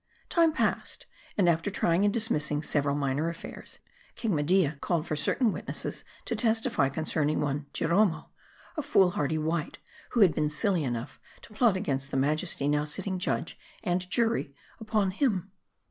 Time passed. And after trying and dismissing several minor affairs, Media called for certain witnesses to testify concerning one Jiromo, a foolhardy wight, who had been silly enough to plot against the majesty now sitting judge and jury upon him.